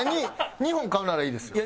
２本買うならいいですよ。